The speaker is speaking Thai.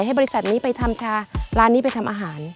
บริษัทนี้ไปทำชาร้านนี้ไปทำอาหาร